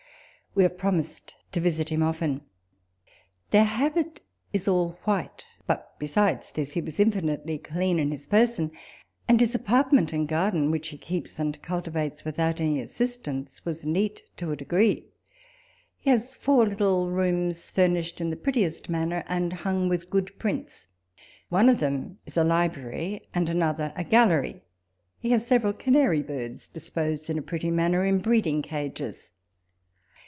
We have promised to visit him often. Their habit is all white : but besides this he was infinitely clean walpole's letters. 21 in. his person ; and his apartment and garden, which he keeps and cultivates without any assist ance, was neat to a degree. He has four little rooms, furnished in the prettiest manner, and hung with good prints. One of them is a library, and another a gallery. He has several canary birds disposed in a pretty manner in breeding cages.